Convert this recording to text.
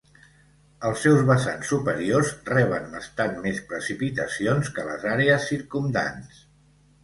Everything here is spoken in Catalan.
Els seus vessants superiors reben bastant més precipitacions que les àrees circumdants.